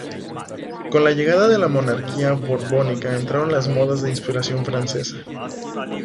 Con la llegada de la monarquía borbónica, entraron las modas de inspiración francesa.